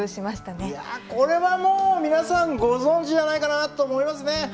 いやこれはもう皆さんご存じじゃないかなと思いますね！